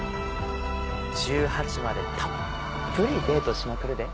１８までたっぷりデートしまくるで。